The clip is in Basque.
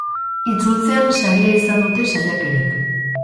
Itzultzean, saria izan dute saiakerek.